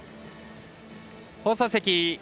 放送席。